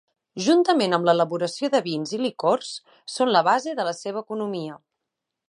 Juntament amb l'elaboració de vins i licors són la base de la seva economia.